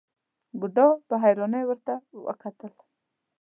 بوډا په حيرانۍ ورته وکتل.